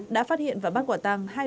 đã phát hiện và bắt quả tăng hai đối tượng